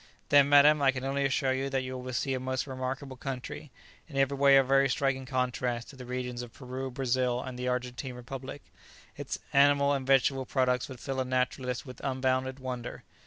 "Then, madam, I can only assure you that you will see a most remarkable country, in every way a very striking contrast to the regions of Peru, Brazil, and the Argentine republic. Its animal and vegetable products would fill a naturalist with unbounded wonder.